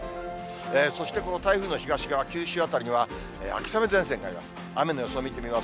そしてこの台風の東側、九州辺りには、秋雨前線があります。